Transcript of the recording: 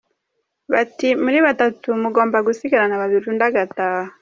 Bati muri batatu mugomba gusigarana babiri undi agataha.